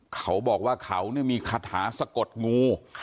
เขาบอกว่าเขามีคาถาสะกดงู